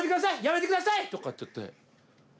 やめてください！」とかって言って。